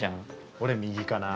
俺右かなあ。